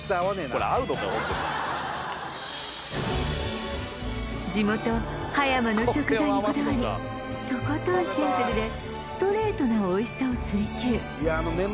ホント地元葉山の食材にこだわりとことんシンプルでストレートなおいしさを追求